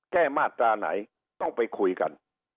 มาตราไหนต้องไปคุยกัน